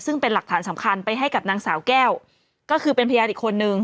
ซึ่งเป็นหลักฐานสำคัญไปให้กับนางสาวแก้วก็คือเป็นพยานอีกคนนึง